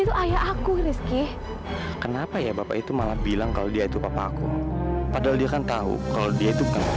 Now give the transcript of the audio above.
itu ayah aku rizky kenapa ya bapak itu malah bilang kalau dia itu papa aku padahal dia kan tahu kalau dia itu